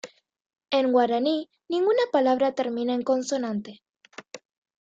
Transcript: En guaraní ninguna palabra termina en consonante.